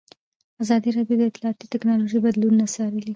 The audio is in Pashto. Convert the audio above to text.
ازادي راډیو د اطلاعاتی تکنالوژي بدلونونه څارلي.